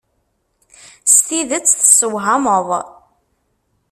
S tidet tessewhameḍ.